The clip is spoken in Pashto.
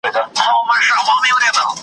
له ګودر څخه مي رنګ د رنجو واخیست .